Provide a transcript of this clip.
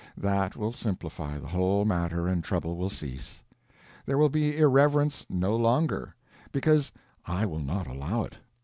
That will simplify the whole matter, and trouble will cease. There will be irreverence no longer, because I will not allow it.